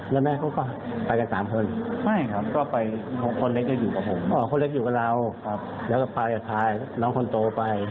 แล้วก็ไปกันท้ายน้องคนโตไป